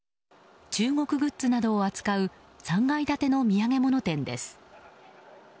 中国グッズなどを扱う３階建ての土産物店です。